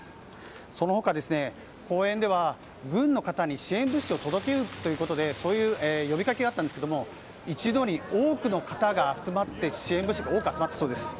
その他、公園では軍の方に支援物資を届けようということでそういう呼びかけがあったんですが一度に多くの方が集まって支援物資が多く集まったそうです。